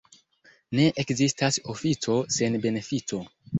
Ne ekzistas ofico sen benefico.